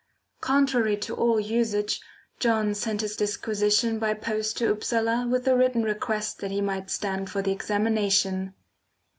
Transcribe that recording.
Contrary to all usage John sent his disquisition by post to Upsala with the written request that he might stand for the examination.